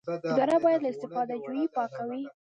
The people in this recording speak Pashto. اداره باید له استفاده جویۍ پاکه وي.